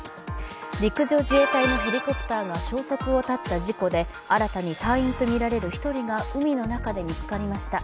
陸上自衛隊のヘリコプターが消息を絶った事故で新たに隊員とみられる１人が海の中で見つかりました。